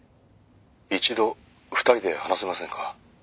「一度２人で話せませんか？」